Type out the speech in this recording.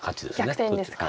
逆転ですか。